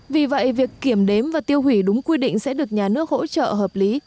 vì vậy việc kiểm đếm và tiêu hủy đúng quy định sẽ được nhà nước hỗ trợ hợp lý